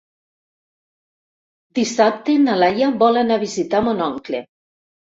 Dissabte na Laia vol anar a visitar mon oncle.